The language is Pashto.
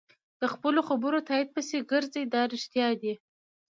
د خپلو خبرو تایید پسې ګرځي دا رښتیا دي.